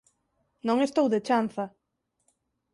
Non estou de chanza.